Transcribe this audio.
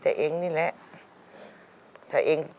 แต่ที่แม่ก็รักลูกมากทั้งสองคน